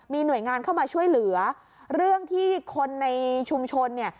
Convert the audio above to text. มีหน่วยงานเข้ามาช่วยเหลือเรื่องที่คนในชุมชนเนี่ย